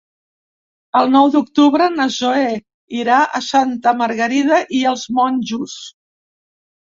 El nou d'octubre na Zoè irà a Santa Margarida i els Monjos.